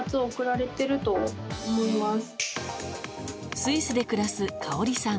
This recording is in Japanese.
スイスで暮らす、香さん。